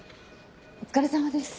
お疲れさまです。